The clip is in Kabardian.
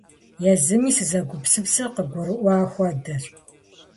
Езыми сызэгупсысыр къыгурыӀуа хуэдэщ.